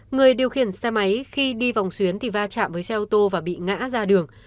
người điều khiển xe máy khi đi vòng xuyến thì va chạm với xe ô tô và bị ngã ra đường